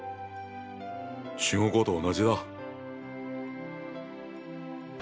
中国語と同じだ。